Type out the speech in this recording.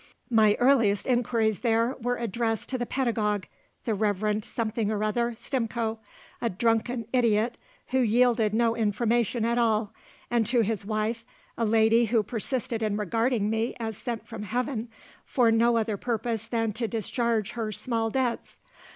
My earliest inquiries there were addressed to the pedagogue the Reverend Something or other Stimcoe a drunken idiot, who yielded no information at all; and to his wife, a lady who persisted in regarding me as sent from heaven for no other purpose than to discharge her small debts.